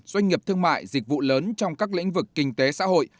doanh nghiệp thương mại dịch vụ lớn trong các lĩnh vực kinh tế xã hội